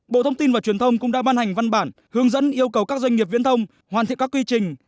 bộ thông tin và truyền thông cũng đã ban hành văn bản hướng dẫn yêu cầu các doanh nghiệp viễn thông hoàn thiện các quy trình